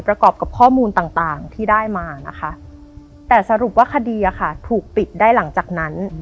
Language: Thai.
ประกอบกับข้อมูลต่างที่ได้มานะคะแต่สรุปว่าคดีถูกปิดได้หลังจากนั้น